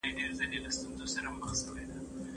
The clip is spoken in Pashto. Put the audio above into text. موږ باید له الوتکې څخه بهر ووځو.